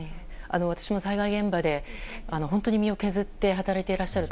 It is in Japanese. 私も災害現場で本当に身を削って働いていらっしゃる